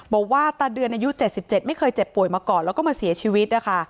บอกว่าตาเดือนอายุ๗๗ไม่เคยเจ็บป่วยมาก่อนแล้วก็มาเสียชีวิตนะคะ